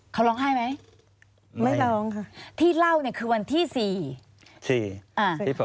ควิทยาลัยเชียร์สวัสดีครับ